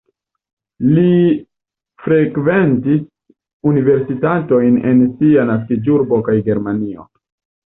Li frekventis universitatojn en sia naskiĝurbo kaj Germanio.